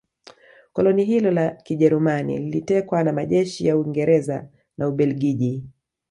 koloni hilo la Kijerumani lilitekwa na majeshi ya Uingereza na Ubelgiji